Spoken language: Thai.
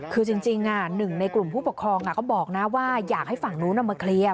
คือจริงหนึ่งในกลุ่มผู้ปกครองเขาบอกนะว่าอยากให้ฝั่งนู้นเอามาเคลียร์